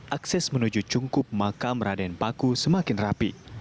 akses menuju cungkup makam raden paku semakin rapi